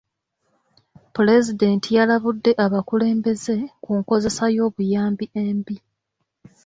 Pulezidenti yalabudde abakulembeze ku nkozesa y'obuyambi embi.